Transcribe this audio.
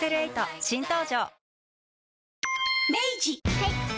はい。